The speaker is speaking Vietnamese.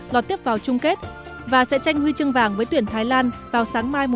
lọt tiếp vào chung kết và sẽ tranh huy chương vàng với tuyển thái lan vào sáng mai một chín